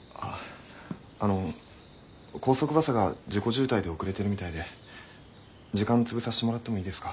あの高速バスが事故渋滞で遅れてるみたいで時間潰させてもらってもいいですか？